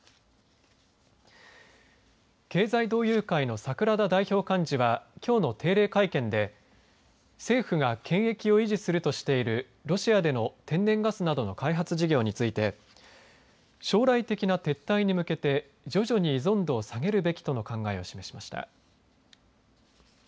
経済同友会の櫻田代表幹事はきょうの定例会で政府が権益を維持するとしているロシアでの天然ガスなどの開発事業について将来的な撤退に向けて徐々に依存度を下げるべきとの考えを示しました。